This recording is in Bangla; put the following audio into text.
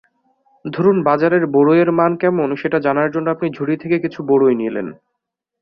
ধরুন বাজারের বড়ইয়ের মান কেমন সেটা জানার জন্য আপনি ঝুড়ি থেকে কিছু বড়ই নিলেন।